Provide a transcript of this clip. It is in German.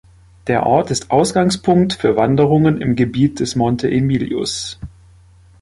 Der Ort ist Ausgangspunkt für Wanderungen im Gebiet des Monte Emilius.